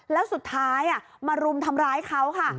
แล้วสุดท้ายมารุมทำร้ายเขาค่ะ